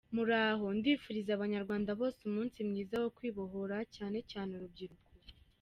Muraho, ndifuriza abanyarwanda bose umunsi mwiza wo kwibohora cyane cyane urubyiruko.